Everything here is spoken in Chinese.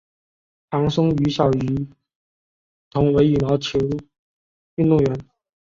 堂兄于小渝同为羽毛球运动员。